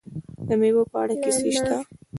د میوو په اړه کیسې شته.